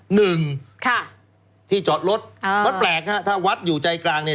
หนึ่งค่ะที่จอดรถอ่าวัดแปลกฮะถ้าวัดอยู่ใจกลางเนี่ย